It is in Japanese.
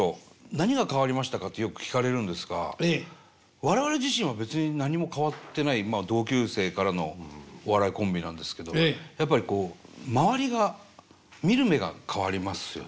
「何が変わりましたか？」ってよく聞かれるんですが我々自身は別に何も変わってない同級生からのお笑いコンビなんですけどやっぱりこう周りが見る目が変わりますよね。